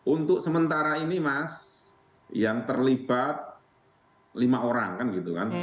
untuk sementara ini mas yang terlibat lima orang kan gitu kan